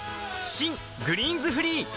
新「グリーンズフリー」